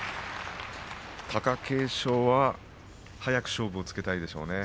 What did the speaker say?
貴景勝は早く勝負をつけたいでしょうね。